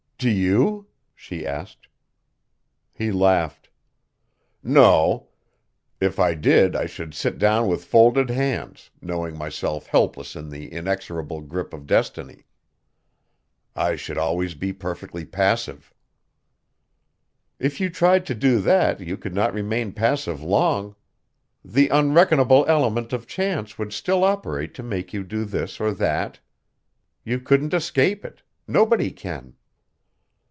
"Do you?" she asked. He laughed. "No. If I did I should sit down with folded hands, knowing myself helpless in the inexorable grip of destiny. I should always be perfectly passive." "If you tried to do that you could not remain passive long. The unreckonable element of chance would still operate to make you do this or that. You couldn't escape it; nobody can."